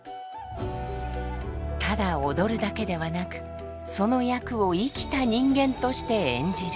ただ踊るだけではなくその役を生きた人間として演じる。